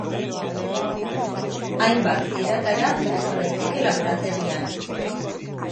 Hainbat eratara presta daiteke laborategian.